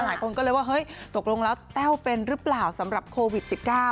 หลายคนก็เลยว่าเฮ้ยตกลงแล้วแต้วเป็นหรือเปล่าสำหรับโควิด๑๙